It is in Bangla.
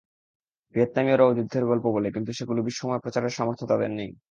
ভিয়েতনামীয়রাও যুদ্ধের গল্প বলে কিন্তু সেগুলো বিশ্বময় প্রচারের সামর্থ্য তাদের নেই।